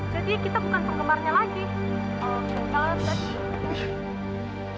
jadi kita bukan penggemarnya lagi